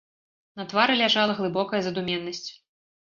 На твары ляжала глыбокая задуменнасць.